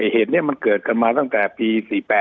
เหตุนี้มันเกิดกันมาตั้งแต่ปี๔๘